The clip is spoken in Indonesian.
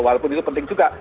walaupun itu penting juga